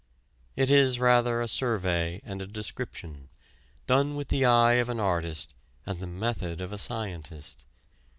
It is rather a survey and a description, done with the eye of an artist and the method of a scientist.